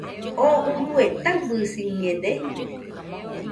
¿Oo urue taɨbɨsiñede?